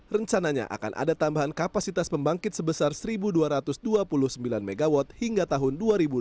rencananya akan ada tambahan kapasitas pembangkit sebesar satu dua ratus dua puluh sembilan mw hingga tahun dua ribu dua puluh